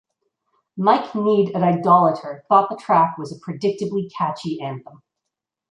Mike Nied at "Idolator" thought the track was "a predictably catchy anthem".